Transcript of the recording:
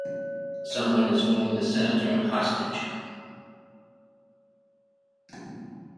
Someone is holding the Senator hostage.